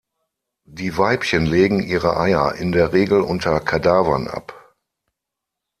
Die Weibchen legen ihre Eier in der Regel unter Kadavern ab.